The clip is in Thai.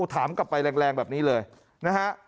ถามกลับไปแรงแบบนี้เลยนะฮะ